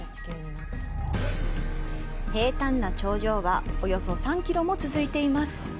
平たんな頂上は、およそ３キロも続いています。